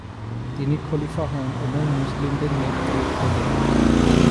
তিনি খলিফা হন এবং মুসলিমদের নেতৃত্ব দেন।